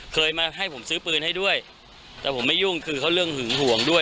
เคยมาให้ผมซื้อปืนให้ด้วยแต่ผมไม่ยุ่งคือเขาเรื่องหึงห่วงด้วย